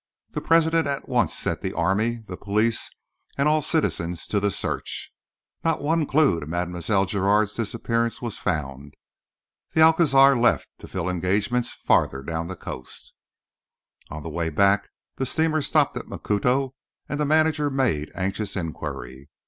The President at once set the army, the police and all citizens to the search. Not one clue to Mlle. Giraud's disappearance was found. The Alcazar left to fill engagements farther down the coast. On the way back the steamer stopped at Macuto and the manager made anxious inquiry.